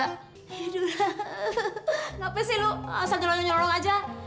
eh duh kenapa sih lu asal jelong jelong aja